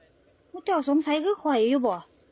ทำไมเจ้าคิดว่าคี่อยู่บ่